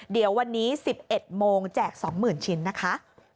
เดี๋ยววันนี้สิบเอ็ดโมงแจกสองหมื่นชิ้นนะคะ